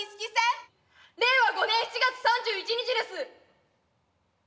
令和５年４月３１日です。